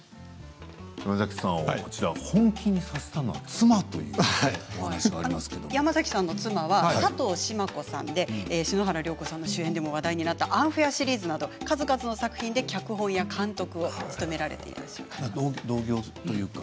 山崎さんを本気にさせたのは妻と山崎さんの妻は佐藤嗣麻子さんで篠原涼子さん主演でも話題となった「アンフェア」シリーズなど数々の作品で脚本や監督を同業というか。